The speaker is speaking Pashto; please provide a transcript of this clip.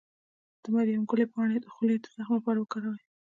د مریم ګلي پاڼې د خولې د زخم لپاره وکاروئ